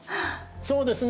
そうですね。